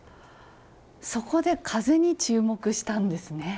そこで風に注目したんですね。